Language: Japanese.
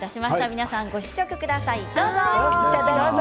皆さんご試食ください。